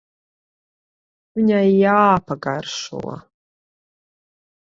Viņai jāpagaršo.